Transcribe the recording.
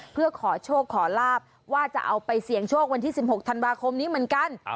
เพื่อขอโชคขอลาบว่าจะเอาไปเสี่ยงโชควันที่๑๖ธันวาคมนี้เหมือนกัน